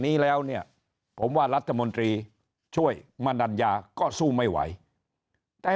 นี้แล้วเนี่ยผมว่ารัฐมนตรีช่วยมณัญญาก็สู้ไม่ไหวแต่